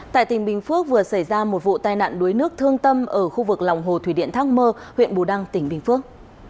tại tỉnh bình phước vừa xảy ra một vụ tai nạn đuối nước thương tâm ở khu vực lòng hồ thủy điện thác mơ huyện bù đăng tỉnh bình phước